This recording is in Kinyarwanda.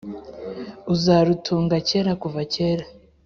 uzarutunga kera kuva kera